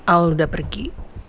al udah pergi